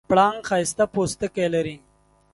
پړانګ ښایسته پوستکی لري.